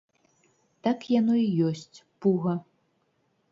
Так яно і ёсць, пуга.